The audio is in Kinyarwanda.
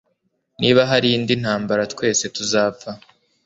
Niba hari indi ntambara twese tuzapfa